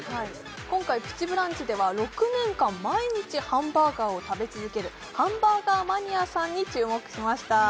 今回「プチブランチ」では６年間毎日ハンバーガーを食べ続けるハンバーガーマニアさんに注目しました